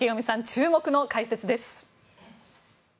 注目の解説です。